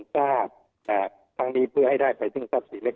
ท่าครั้งนี้เพื่อให้ได้ผลตึงทรัพย์ศิรษฐ์เรียกก่อน